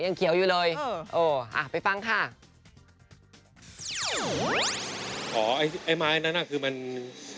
จริงป่ะเนี่ยที่เค้าเถียงกันว่ามันเขียวอีกจริงว่ามันเผาไงมันก็ไม่ไหม้